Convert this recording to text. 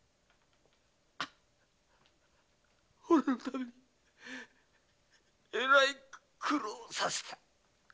俺のためにえらい苦労をさせた。